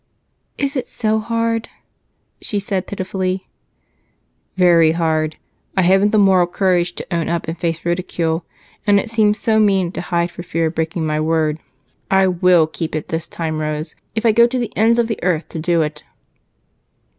"Is it so hard?" she said pitifully. "Very hard. I haven't the moral courage to own up and face ridicule, and it seems so mean to hide for fear of breaking my word. I will keep it this time, Rose, if I go to the ends of the earth to do it."